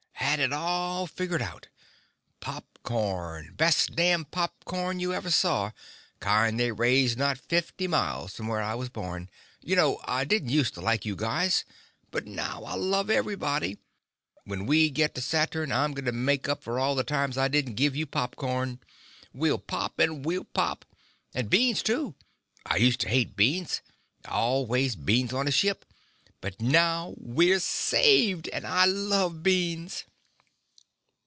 "Had it all figgered. Pop corn. Best damned pop corn you ever saw, kind they raise not fifty miles from where I was born. You know, I didn't useta like you guys. But now I love everybody. When we get to Saturn, I'm gonna make up for all the times I didn't give you pop corn. We'll pop and we'll pop. And beans, too. I useta hate beans. Always beans on a ship. But now we're saved, and I love beans!"